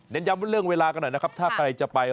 ย้ำว่าเรื่องเวลากันหน่อยนะครับถ้าใครจะไป